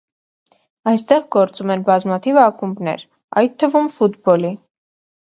Այստեղ գործում են բազմաթիվ ակումբներ, այդ թվում՝ ֆուտբոլի։